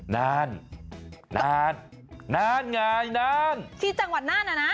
นานนานไงนานที่จังหวัดน่านน่ะนะ